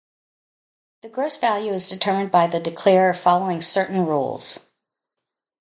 The gross value is determined by the declarer following certain rules.